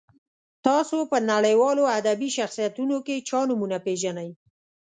تاسو په نړیوالو ادبي شخصیتونو کې چا نومونه پیژنئ.